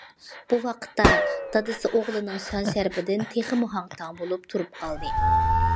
بۇ ۋاقىتتا، دادىسى ئوغلىنىڭ شان- شەرىپىدىن تېخىمۇ ھاڭ- تاڭ بولۇپ تۇرۇپ قالدى.